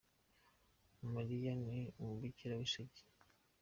Mariya ni umubikira w'isugi.